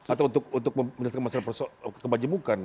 atau untuk memindas kemasyarakat kebajimukan